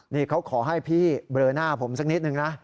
นี่เขาขอให้พี่เบลอหน้าผมสักนิดนึงนะ